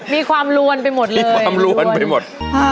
มีความล้วนไปหมดเลยมีความล้วนไปหมด